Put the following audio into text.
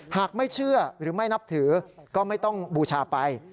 หากไม่เชื่อหรือไม่นับถือก็ไม่ต้องบูชาไป